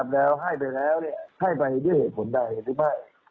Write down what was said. แล้วให้ไปแล้วให้ไปด้วยเหตุผลใดหรือไม่